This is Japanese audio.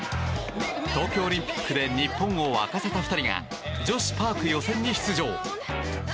東京オリンピックで日本を沸かせた２人が女子パーク予選に出場。